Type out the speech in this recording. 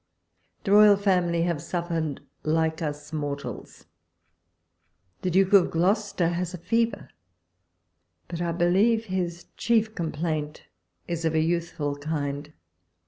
The Roval Family have suffered like us mortals ; the Duke of Gloucester has a fever, but I believe his chief complaint is of a youthful kind.